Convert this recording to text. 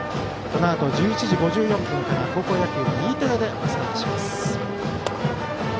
このあと１１時５４分から高校野球はＥテレでお伝えします。